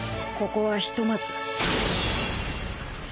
ここはひとまず。